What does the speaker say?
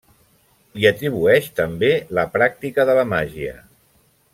Li atribueix també la pràctica de la màgia.